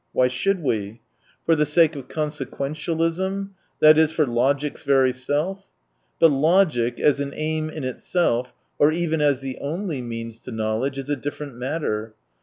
Why should we ? For the sake of consequentialism ? i.e. for logic's very self ? But logic, as an aim in itself, or even as the only means to know ledge, is a different matter.